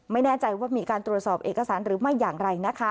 ไม่แน่ใจว่ามีการตรวจสอบเอกสารหรือไม่อย่างไรนะคะ